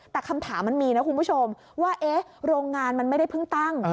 แต่คำถามมันมีนะคุณผู้ชมว่าโรงงานมันไม่ได้เพิ่งตั้ง